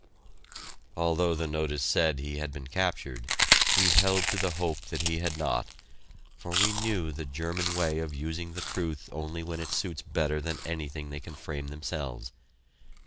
Although the notice said he had been captured we held to the hope that he had not, for we knew the German way of using the truth only when it suits better than anything they can frame themselves.